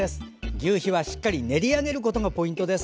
求肥はしっかり練り上げることがポイントです。